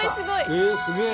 えっすげえ。